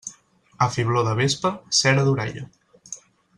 A fibló de vespa, cera d'orella.